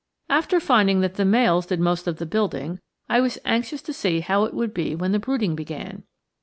After finding that the males did most of the building, I was anxious to see how it would be when the brooding began.